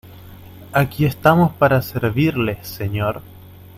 aquí estamos para servirle, señor.